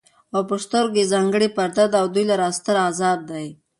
او پر سترگو ئې ځانگړې پرده ده او دوى لره ستر عذاب دی